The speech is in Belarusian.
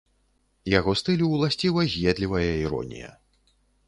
Яго стылю ўласціва з'едлівая іронія.